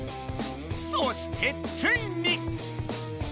そしてついに！